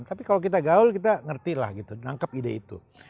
tapi kalau kita gaul kita ngerti lah gitu nangkep ide itu